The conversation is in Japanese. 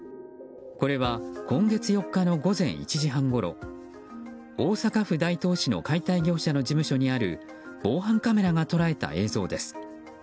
これは今月４日の午前１時半ごろ大阪府大東市の解体業者の事務所にある防犯カメラが捉えた映像です。